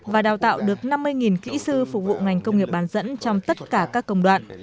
và đào tạo được năm mươi kỹ sư phục vụ ngành công nghiệp bán dẫn trong tất cả các công đoạn